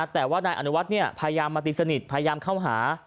แต่ว่านายอนุวัฒน์พยายามมาตีสนิทพยายามเข้าหา